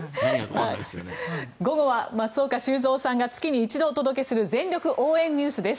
午後は松岡修造さんが月に一度お届けする全力応援ＮＥＷＳです。